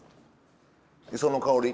磯の香り。